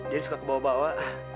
jadi suka kebawa bawa